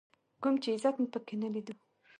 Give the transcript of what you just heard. کوم چې عزت مې په کې نه ليدلو.